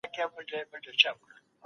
کب 🐟